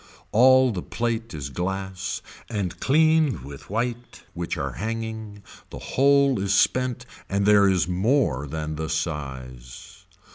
All the plate is glass and cleaned with white which are hanging, the whole is spent and there is more than the size.